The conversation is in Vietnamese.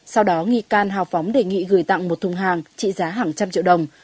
sau đó nghi can hào phóng đề nghị gửi tặng một thùng hàng trị giá hàng trăm triệu đồng